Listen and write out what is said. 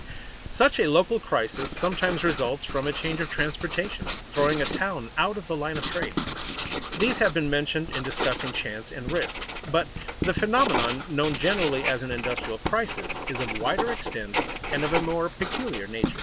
Such a local crisis sometimes results from a change of transportation, throwing a town out of the line of trade. These have been mentioned in discussing chance and risk; but the phenomenon known generally as an industrial crisis is of wider extent and of a more peculiar nature.